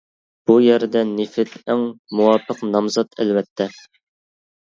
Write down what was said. بۇ يەردە نېفىت ئەڭ مۇۋاپىق نامزات، ئەلۋەتتە.